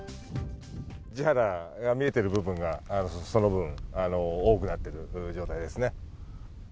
地肌が見えている部分が、その分、多くなってる状態ですね。